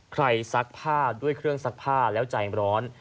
ซักผ้าด้วยเครื่องซักผ้าแล้วใจร้อน